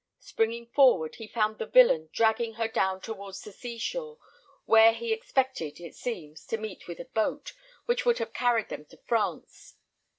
Springing forward, he found the villain dragging her down towards the sea shore, where he expected, it seems, to meet with a boat, which would have carried them to France.